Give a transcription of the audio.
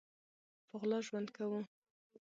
په غلا ژوند کوو